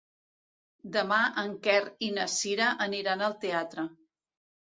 Demà en Quer i na Cira aniran al teatre.